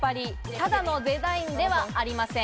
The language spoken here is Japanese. ただのデザインではありません。